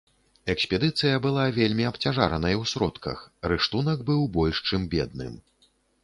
Экспедыцыя была вельмі абцяжаранай у сродках, рыштунак быў больш чым бедным.